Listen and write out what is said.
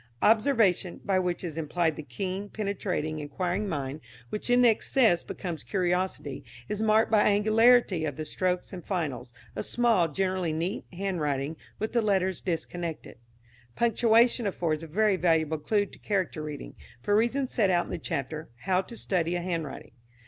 Observation, by which is implied the keen, penetrating, inquiring mind (which in excess becomes curiosity), is marked by angularity of the strokes and finals; a small, generally neat, handwriting, with the letters disconnected. Punctuation affords a very valuable clue to character reading, for reasons set out in the chapter "How to Study a Handwriting."